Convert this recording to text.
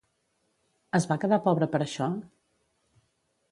Es va quedar pobre per això?